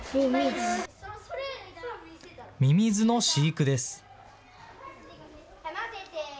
ミミズの飼育です。